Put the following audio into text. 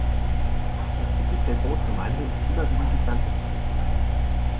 Das Gebiet der Großgemeinde ist überwiegend durch Landwirtschaft geprägt.